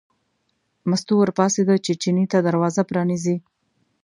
مستو ور پاڅېده چې چیني ته دروازه پرانیزي.